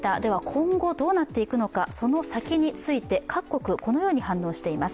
今後どうなっていくのか、その先について各国このように反応しています。